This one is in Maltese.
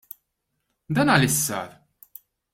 Dan għaliex sar?